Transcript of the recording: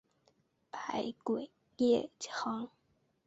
百鬼夜行。